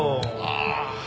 ああ！